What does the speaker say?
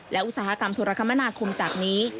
และอุตสาหกรรมธุรกรรมนาคมจากนี้